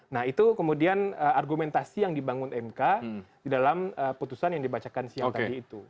nah itu kemudian argumentasi yang dibangun mk di dalam putusan yang dibacakan siang tadi itu